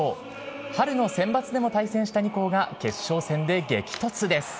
春のセンバツでも対戦した２校が決勝戦で激突です。